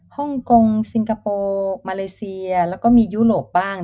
ฮ่องกงซิงคโปร์มาเลเซียแล้วก็มียุโรปบ้าง